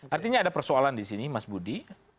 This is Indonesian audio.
artinya ada persoalan di sini mas budi